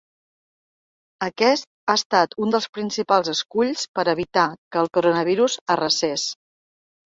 Aquest ha estat un dels principals esculls per a evitar que el coronavirus arrasés.